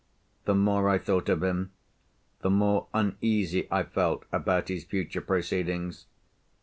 The more I thought of him, the more uneasy I felt about his future proceedings.